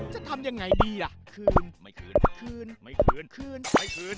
จะทำยังไงดีอ่ะคืนไม่คืนคืนไม่คืนคืนไม่คืน